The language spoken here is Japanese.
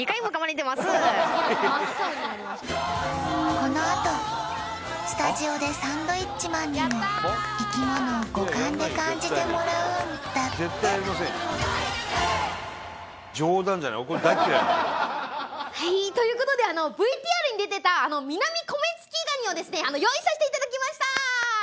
このあとスタジオでサンドウィッチマンにも生き物を五感で感じてもらうんだってはいーということでＶＴＲに出てたミナミコメツキガニをですね用意させていただきましたー